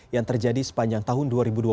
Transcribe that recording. yang terjadi sepanjang tahun dua ribu dua puluh